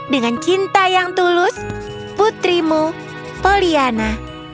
dengan cinta yang tulus putrimu poliana